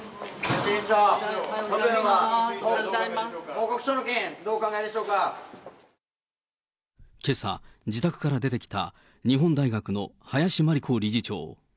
報告書の件、けさ、自宅から出てきた日本大学の林真理子理事長。